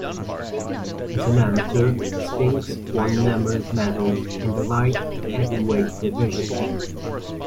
As an amateur, Spinks won numerous medals in the light heavyweight division.